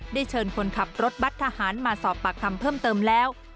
ได้เชิญคนขับรถบัตรทหารมาสอบปากคำเพิ่มเติมแล้ว